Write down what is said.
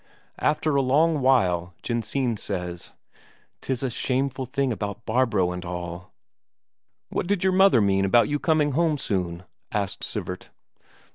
After a long while Jensine says: "'Tis a shameful thing about Barbro and all." "What did your mother mean about you coming home soon?" asked Sivert.